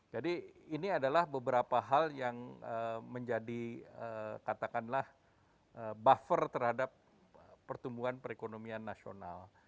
jadi ini adalah beberapa hal yang menjadi katakanlah buffer terhadap pertumbuhan perekonomian nasional